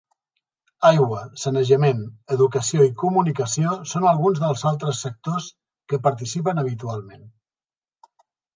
Aigua, sanejament, educació i comunicació són alguns dels altres sectors que participen habitualment.